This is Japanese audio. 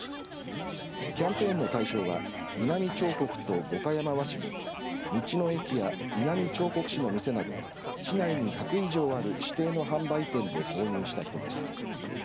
キャンペーンの対象は井波彫刻と五箇山和紙を道の駅や井波彫刻士の店など市内に１００以上ある指定の販売店で購入した人です。